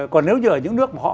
còn nếu như ở những nước mà họ